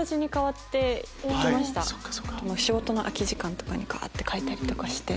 仕事の空き時間にガって書いたりとかして。